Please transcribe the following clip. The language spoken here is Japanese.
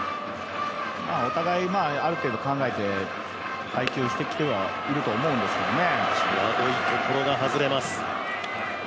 お互い、ある程度考えて配球してきてはいると思うんですけどね。